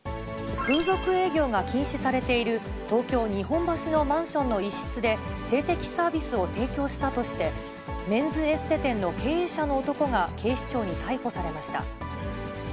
風俗営業が禁止されている東京・日本橋のマンションの一室で、性的サービスを提供したとして、メンズエステ店の経営者の男が警視庁に逮捕されました。